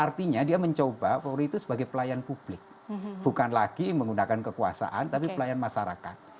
artinya dia mencoba polri itu sebagai pelayan publik bukan lagi menggunakan kekuasaan tapi pelayan masyarakat